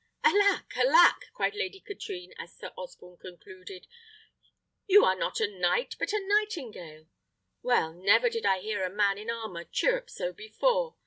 "Alack! alack!" cried Lady Katrine, as Sir Osborne concluded, "you are not a knight, but a nightingale. Well, never did I hear a man in armour chirrup so before!